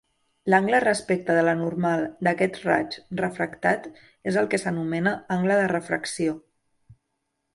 L'angle respecte de la normal d'aquest raig refractat és el que s'anomena angle de refracció.